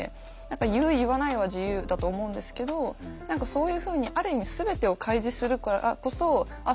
言う言わないは自由だと思うんですけどそういうふうにある意味全てを開示するからこそああ